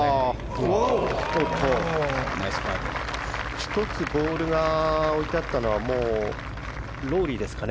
１つ、ボールが置いてあったのはロウリーですかね。